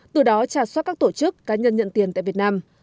từ đó trà soát các tổ chức cá nhân nhận tiền tại việt nam